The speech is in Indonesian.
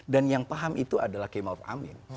dan yang paham itu adalah kemaru amin